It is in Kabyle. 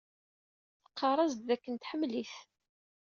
Tqarr-as-d dakken tḥemmel-it.